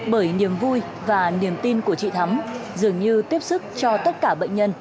bởi niềm vui và niềm tin của chị thắm dường như tiếp sức cho tất cả bệnh nhân